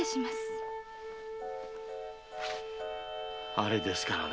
あれですからね。